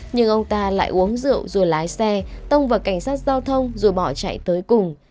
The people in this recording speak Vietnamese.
nhưng ông ta lại uống rượu rồi lái xe tông vào cảnh sát giao thông rồi bỏ chạy tới cùng